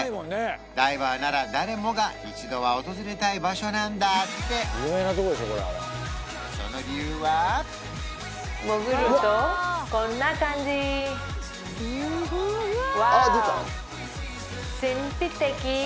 ダイバーなら誰もが一度は訪れたい場所なんだってその理由はワオ！